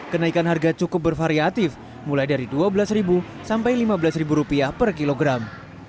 kenaikan harga cukup bervariatif mulai dari dua belas sampai lima belas rupiah per kilogram